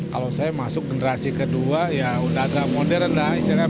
kalau saya masuk generasi kedua ya udah agak modern dah